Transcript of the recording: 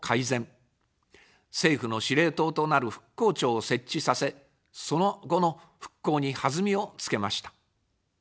政府の司令塔となる復興庁を設置させ、その後の復興に弾みをつけました。